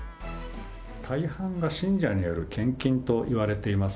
大半が信者による献金といわれています。